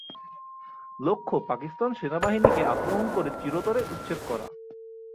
লক্ষ্য পাকিস্তান সেনাবাহিনীকে আক্রমণ করে চিরতরে উচ্ছেদ করা।